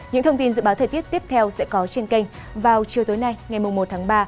những thông tin dự báo thời tiết tiếp theo sẽ có trên kênh vào chiều tối nay ngày một tháng ba